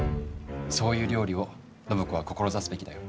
そういう料理を暢子は志すべきだよ。